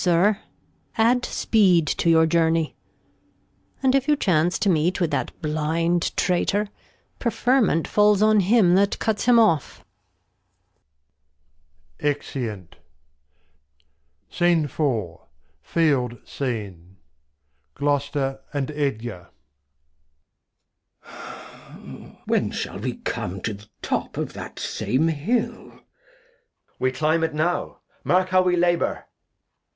Sir, add Speed to your Journey, And if you chance to meet with that blind Traitor, Preferment falls on him that cuts him off. [Exeunt. The Field SCENE, Gloster and Edgar. Glost. When shall we come to th' Top of that same Hill? Edg. We cUmb it now, mark how we labour.